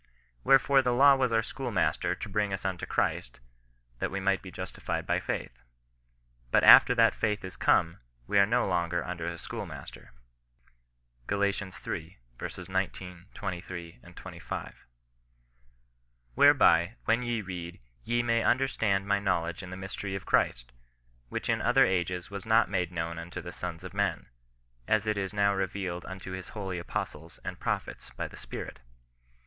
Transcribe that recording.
Wherefore the law was our schoolmaster to bring us unto Christ, that we might be justified by faith. But after that faith is come, we are no longer under a schoolmaster." Gal. iii. 19, 23, 25. " Whereby, when ye read, ye may understand my know ledge in the mystery of Christ, which in other ages was not made known unto the sons of men, as it is now re vealed unto his holy apostles and prophets by the Spirit."